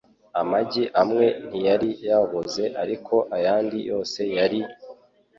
Amagi amwe ntiyari yaboze ariko ayandi yose yari